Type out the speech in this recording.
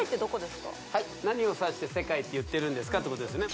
何を指して世界って言ってるんですかってことですね